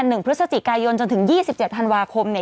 อืม